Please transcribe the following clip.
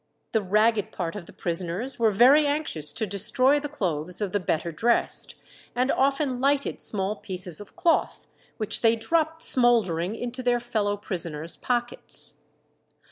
The ragged part of the prisoners were very anxious to destroy the clothes of the better dressed, and often lighted small pieces of cloth, which they dropped smouldering into their fellow prisoners' pockets.